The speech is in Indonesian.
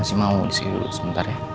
masih mau disini duduk sebentar ya